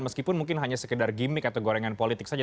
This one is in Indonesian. meskipun mungkin hanya sekedar gimmick atau gorengan politik saja